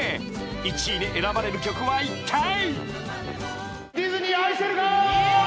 ［１位に選ばれる曲はいったい？］